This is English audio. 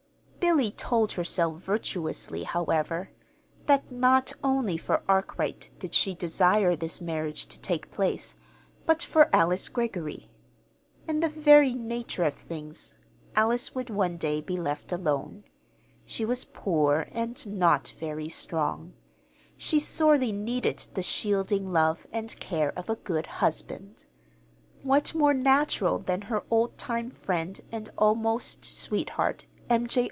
Billy told herself, virtuously, however, that not only for Arkwright did she desire this marriage to take place, but for Alice Greggory. In the very nature of things Alice would one day be left alone. She was poor, and not very strong. She sorely needed the shielding love and care of a good husband. What more natural than that her old time friend and almost sweetheart, M. J.